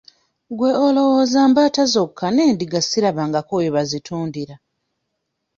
Gwe olowooza mbaata zokka n'endiga sirabangako we bazitundira.